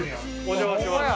お邪魔します。